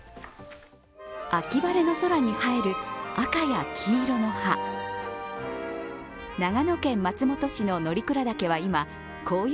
秋晴れの空に映える赤や黄色の葉。